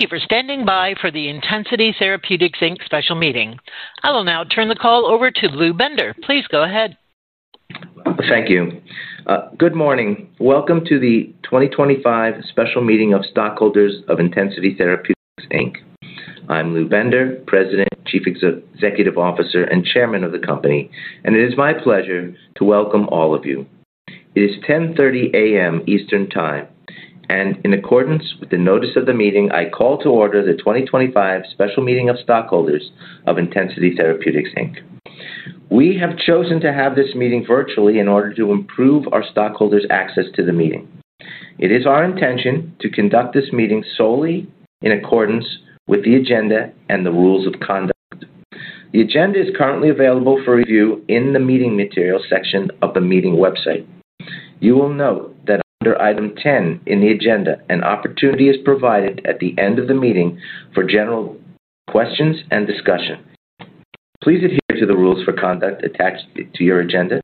Thank you for standing by for the Intensity Therapeutics, Inc special meeting. I will now turn the call over to Lewis Bender. Please go ahead. Thank you. Good morning. Welcome to the 2025 special meeting of stockholders of Intensity Therapeutics, Inc. I'm Lewis Bender, President, Chief Executive Officer, and Chairman of the company. It is my pleasure to welcome all of you. It is 10:30 A.M. Eastern time. In accordance with the notice of the meeting, I call to order the 2025 special meeting of stockholders of Intensity Therapeutics, Inc. We have chosen to have this meeting virtually in order to improve our stockholders' access to the meeting. It is our intention to conduct this meeting solely in accordance with the agenda and the rules of conduct. The agenda is currently available for review in the meeting materials section of the meeting website. You will note that under item 10 in the agenda, an opportunity is provided at the end of the meeting for general questions and discussion. Please adhere to the rules for conduct attached to your agenda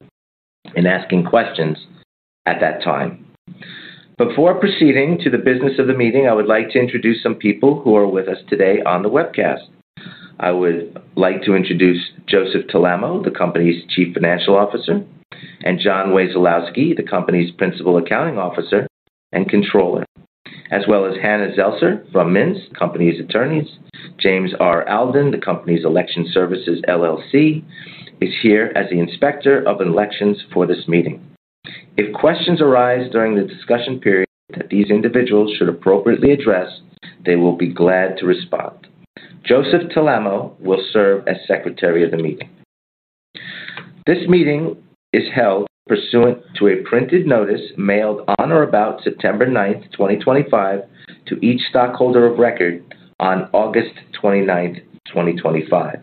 and ask questions at that time. Before proceeding to the business of the meeting, I would like to introduce some people who are with us today on the webcast. I would like to introduce Joseph Talamo, the company's Chief Financial Officer, and John Wesolowski, the company's Principal Accounting Officer and Controller, as well as Hannah Zeltzer from Mintz, the company's attorneys. James R. Alden from Election Services LLC is here as the inspector of elections for this meeting. If questions arise during the discussion period that these individuals should appropriately address, they will be glad to respond. Joseph Talamo will serve as Secretary of the meeting. This meeting is held pursuant to a printed notice mailed on or about September 9th, 2025, to each stockholder of record on August 29, 2025.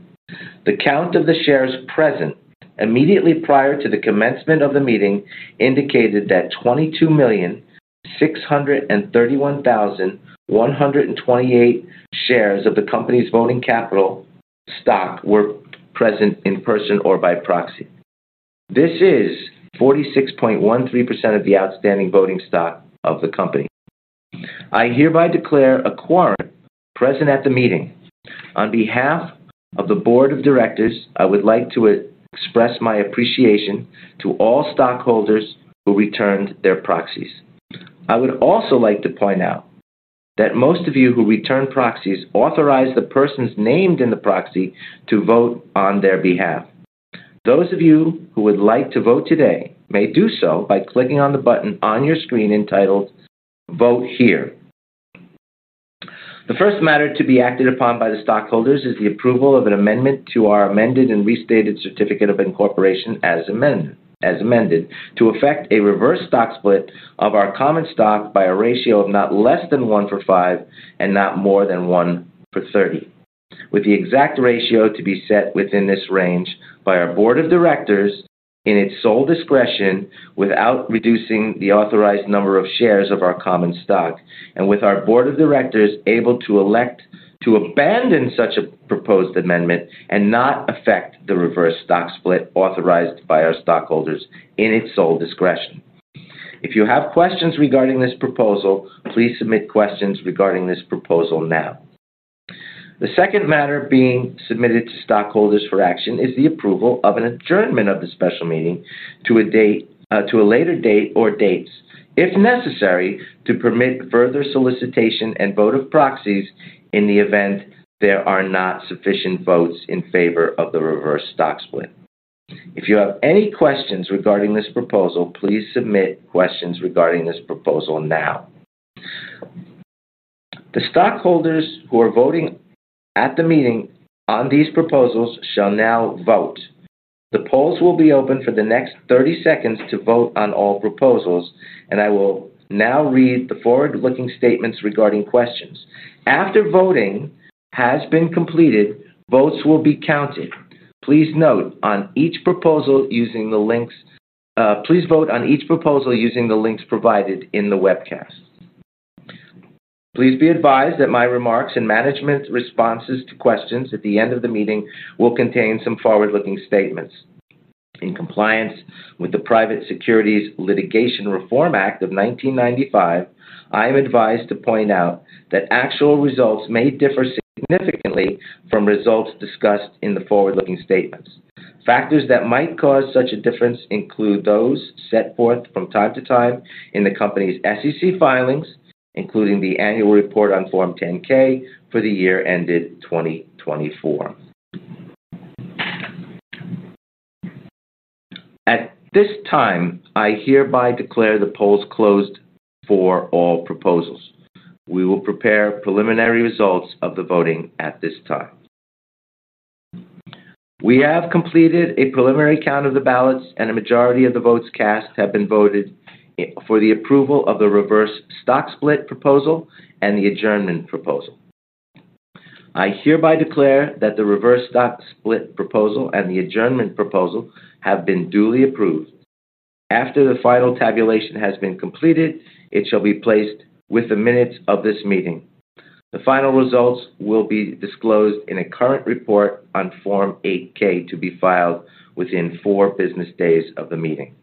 The count of the shares present immediately prior to the commencement of the meeting indicated that 22,631,128 shares of the company's voting capital stock were present in person or by proxy. This is 46.13% of the outstanding voting stock of the company. I hereby declare a quorum present at the meeting. On behalf of the Board of Directors, I would like to express my appreciation to all stockholders who returned their proxies. I would also like to point out that most of you who return proxies authorize the persons named in the proxy to vote on your behalf. Those of you who would like to vote today may do so by clicking on the button on your screen entitled Vote Here. The first matter to be acted upon by the stockholders is the approval of an amendment to our amended and restated certificate of incorporation, as amended, to effect a reverse stock split of our common stock by a ratio of not less than one for five and not more than one for 30, with the exact ratio to be set within this range by our Board of Directors in its sole discretion, without reducing the authorized number of shares of our common stock, and with our Board of Directors able to elect to abandon such a proposed amendment and not effect the reverse stock split authorized by our stockholders in its sole discretion. If you have questions regarding this proposal, please submit questions regarding this proposal now. The second matter being submitted to stockholders for action is the approval of an adjournment of the special meeting to a later date or dates, if necessary, to permit further solicitation and vote of proxies in the event there are not sufficient votes in favor of the reverse stock split. If you have any questions regarding this proposal, please submit questions regarding this proposal now. The stockholders who are voting at the meeting on these proposals shall now vote. The polls will be open for the next 30 seconds to vote on all proposals, and I will now read the forward-looking statements regarding questions. After voting has been completed, votes will be counted. Please vote on each proposal using the links provided in the webcast. Please be advised that my remarks and management's responses to questions at the end of the meeting will contain some forward-looking statements. In compliance with the Private Securities Litigation Reform Act of 1995, I am advised to point out that actual results may differ significantly from results discussed in the forward-looking statements. Factors that might cause such a difference include those set forth from time to time in the company's SEC filings, including the annual report on Form 10-K for the year ended 2024. At this time, I hereby declare the polls closed for all proposals. We will prepare preliminary results of the voting at this time. We have completed a preliminary count of the ballots, and a majority of the votes cast have been voted for the approval of the reverse stock split proposal and the adjournment proposal. I hereby declare that the reverse stock split proposal and the adjournment proposal have been duly approved. After the final tabulation has been completed, it shall be placed with the minutes of this meeting. The final results will be disclosed in a current report on Form 8-K to be filed within four business days of the meeting.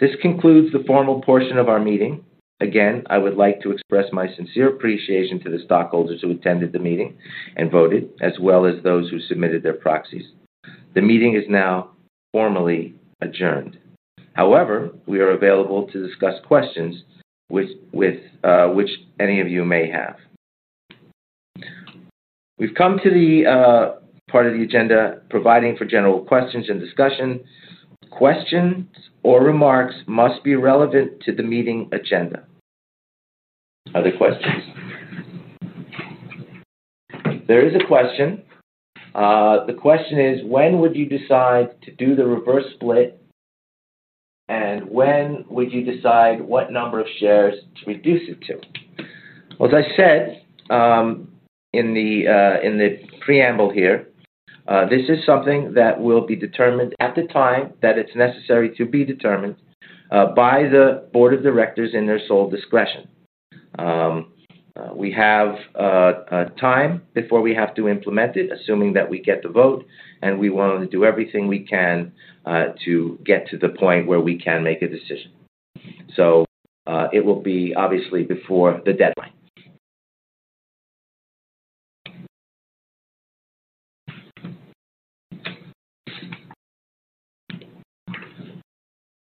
This concludes the formal portion of our meeting. Again, I would like to express my sincere appreciation to the stockholders who attended the meeting and voted, as well as those who submitted their proxies. The meeting is now formally adjourned. However, we are available to discuss questions with which any of you may have. We've come to the part of the agenda providing for general questions and discussion. Questions or remarks must be relevant to the meeting agenda. Other questions? There is a question. The question is, when would you decide to do the reverse stock split and when would you decide what number of shares to reduce it to? As I said in the preamble here, this is something that will be determined at the time that it's necessary to be determined by the Board of Directors in their sole discretion. We have time before we have to implement it, assuming that we get the vote and we want to do everything we can to get to the point where we can make a decision. It will be obviously before the deadline.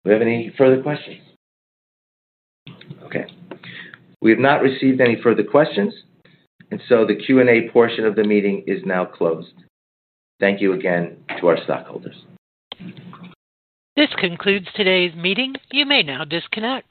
Do we have any further questions? Okay. We have not received any further questions, and so the Q&A portion of the meeting is now closed. Thank you again to our stockholders. This concludes today's meeting. You may now disconnect.